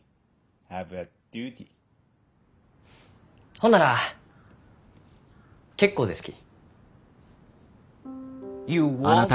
ほんなら結構ですき。